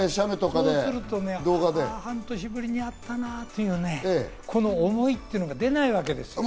そうするとね、半年ぶりに会ったなというのはね、この思いというのが出ないわけですよ。